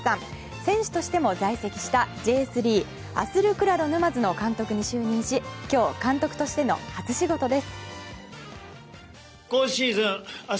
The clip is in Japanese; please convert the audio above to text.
選手としても在籍していたＪ３アスルクラロ沼津の監督に就任し今日監督しての初仕事です。